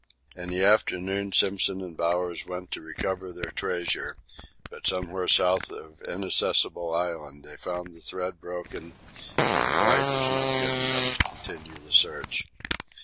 In the afternoon Simpson and Bowers went to recover their treasure, but somewhere south of Inaccessible Island they found the thread broken and the light was not good enough to continue the search.